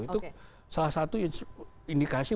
itu salah satu indikasi